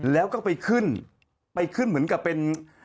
แล้วก็ไปขึ้นไปขึ้นเหมือนกับเป็น